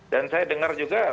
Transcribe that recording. dan saya dengar juga